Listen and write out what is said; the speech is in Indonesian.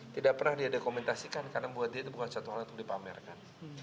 tidak pernah dia dokumentasikan karena buat dia itu bukan satu hal untuk dipamerkan